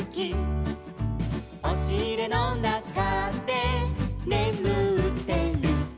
「おしいれのなかでねむってる」